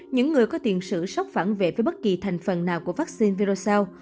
những người có tiền sử sốc phản vệ với bất kỳ thành phần nào của vắc xin virocell